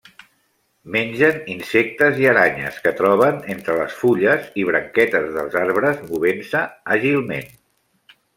Mengen insectes i aranyes que troben entre les fulles i branquetes dels arbres, movent-se àgilment.